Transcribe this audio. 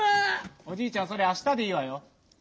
おじいちゃんそれあしたでいいわよ。